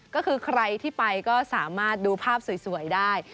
ก็คือใครที่ไปก็สามารถดูภาพสวยได้